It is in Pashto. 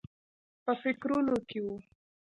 په فکرونو کې و.